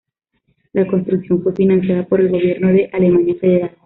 La construcción fue financiada por el gobierno de Alemania Federal.